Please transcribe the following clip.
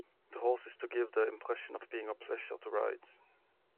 The horse is to give the impression of being a pleasure to ride.